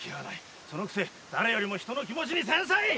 そのくせ誰よりも人の気持ちに繊細！